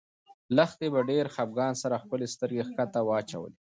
لښتې په ډېر خپګان سره خپلې سترګې ښکته واچولې.